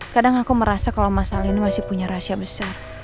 kadang aku merasa kalau masal ini masih punya rahasia besar